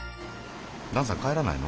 だんさん帰らないの？